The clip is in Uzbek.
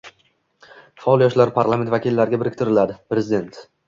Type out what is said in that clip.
Faol yoshlar parlament vakillariga biriktiriladi - prezident